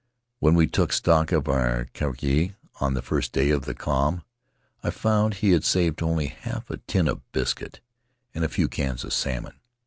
When we took stock of our kaikai on the first day of the calm I found he had saved only half a tin of biscuit and a few cans of salmon.